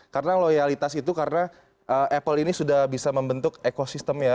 karena loyalitas itu karena apple ini sudah bisa membentuk ekosistem ya